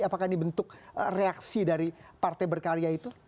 apakah ini bentuk reaksi dari partai berkarya itu